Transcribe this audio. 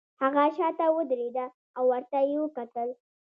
هغه شاته ودریده او ورته یې وکتل